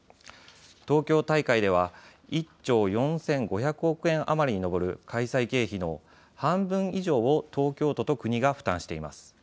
東京大会では１兆４５００億円余りに上る開催経費の半分以上を東京都と国が負担しています。